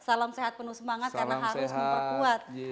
salam sehat penuh semangat karena harus memperkuat